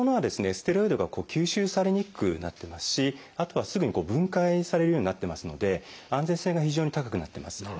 ステロイドが吸収されにくくなってますしあとはすぐに分解されるようになってますので安全性が非常に高くなってます。